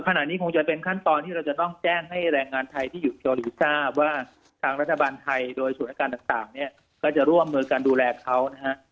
ขณะนี้คงจะเป็นขั้นตอนที่เราจะต้องแจ้งให้แรงงานไทยที่อยู่เกาหลีทราบว่าทางรัฐบาลไทยโดยสถานการณ์ต่างเนี่ยก็จะร่วมมือการดูแลเขานะฮะ